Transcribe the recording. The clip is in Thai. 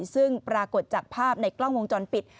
ซึ่งปรากฏจากภาพในกล้องวงจรปิด